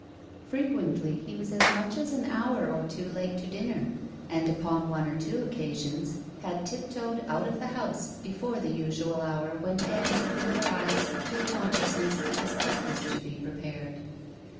Frequently he was as much as an hour or two late to dinner, and upon one or two occasions had tip toed out of the house before the usual hour when Ann opened her eyes to the consciousness of his breakfast to be prepared.